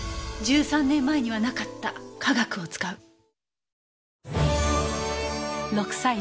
１３年前にはなかった科学を使う。